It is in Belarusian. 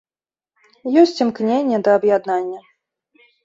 Ёсць імкненне да аб'яднання.